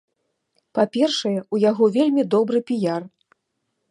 Па-першае, у яго вельмі добры піяр.